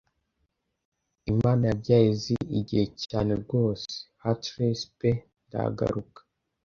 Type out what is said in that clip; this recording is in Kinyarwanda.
Imana yabyaye izi igihe cyane rwose Hatless pe ndahaguruka